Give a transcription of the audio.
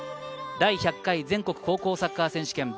第１００回全国高校サッカー選手権